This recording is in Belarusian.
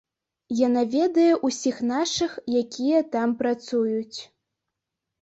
Яна ведае ўсіх нашых, якія там працуюць.